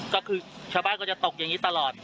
ก็คือชาวบ้านก็จะตกอย่างนี้ตลอด